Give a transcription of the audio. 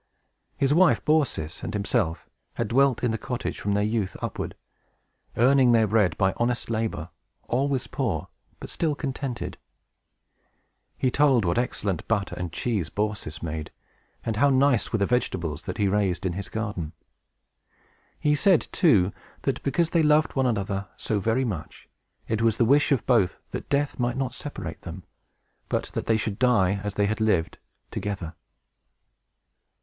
His wife Baucis and himself had dwelt in the cottage from their youth upward, earning their bread by honest labor, always poor, but still contented. He told what excellent butter and cheese Baucis made, and how nice were the vegetables which he raised in his garden. He said, too, that, because they loved one another so very much, it was the wish of both that death might not separate them, but that they should die, as they had lived, together.